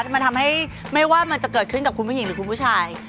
มันทำให้ไม่ว่ามันจะเกิดขึ้นกับคุณผู้หญิงหรือคุณผู้ชาย